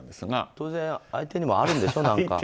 当然相手にもあるんでしょ何か。